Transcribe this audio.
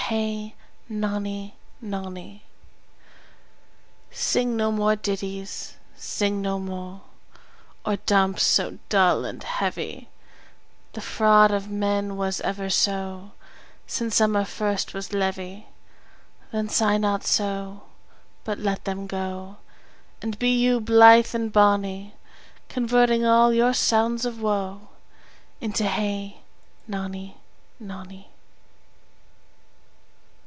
Hey nonny, nonny. Sing no more ditties, sing no mo, Or dumps so dull and heavy; The fraud of men was ever so, Since summer first was leavy. Then sigh not so, But let them go, And be you blithe and bonny, Converting all your sounds of woe Into. Hey, nonny, nonny.